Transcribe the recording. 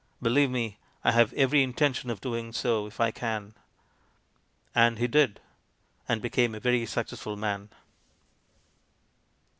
Believe me I have every intention of doing so if I can." And he did, and became a very successful man.